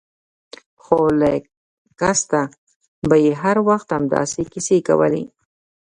خو له کسته به يې هر وخت همداسې کيسې کولې.